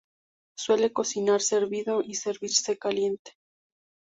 Suele cocinarse hervido y servirse caliente.